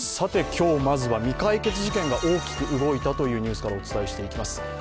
今日まずは未解決事件が大きく動いたというニュースからお伝えしていきます。